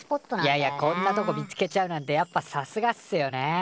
いやいやこんなとこ見つけちゃうなんてやっぱさすがっすよね。